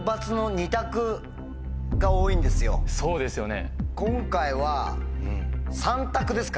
そうですよね。